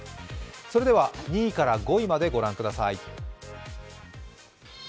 それでは２位から５位までご覧ください。